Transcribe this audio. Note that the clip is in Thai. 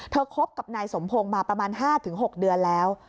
คบกับนายสมพงศ์มาประมาณ๕๖เดือนแล้ว